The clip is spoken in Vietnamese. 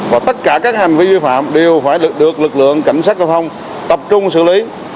và tất cả các hành vi vi phạm đều phải được lực lượng cảnh sát giao thông tập trung xử lý